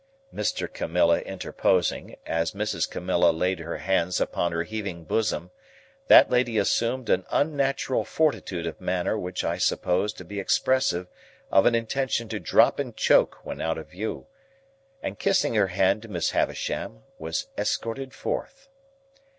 Mr. Camilla interposing, as Mrs. Camilla laid her hand upon her heaving bosom, that lady assumed an unnatural fortitude of manner which I supposed to be expressive of an intention to drop and choke when out of view, and kissing her hand to Miss Havisham, was escorted forth.